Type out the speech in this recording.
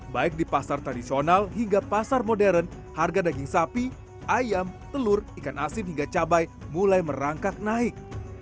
baik di pasar tradisional hingga pasar modern harga daging sapi ayam telur ikan asin hingga cabai mulai merangkak naik